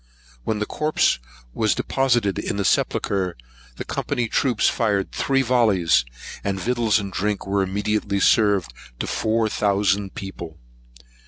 When the corpse was deposited in the sepulchre, the Company's troops fired three vollies, and victuals and drink were immediately served to four thousand people.